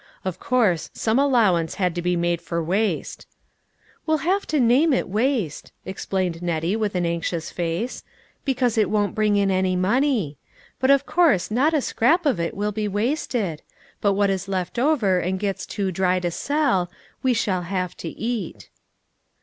Of course some allowance had to be made for waste. " We'll have to name it waste," explained Nettie with an anxious face, " because it won't bring in any money ; but of course not a scrap of it will be wasted ; but what is left over and gets too dry to sell, we ehall have to eat."